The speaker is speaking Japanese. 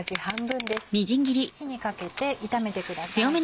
火にかけて炒めてください。